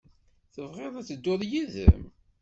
Tebɣiḍ ad dduɣ yid-m?